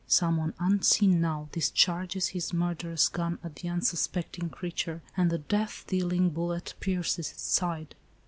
Some one unseen now dis charges his murderous gun at the unsuspecting creature, and the death dealing bullet pierces its side.